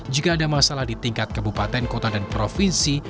jika ada masalah di tingkat kabupaten kota dan provinsi